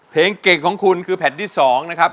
เพลงเก่งของคุณคือแผ่นที่๒นะครับ